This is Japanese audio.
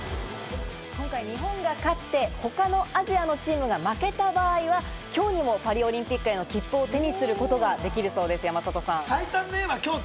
今回、日本が勝って、他のアジアのチームが負けた場合はきょうにもパリオリンピックへの切符を手にすることができるそうです、山里さん。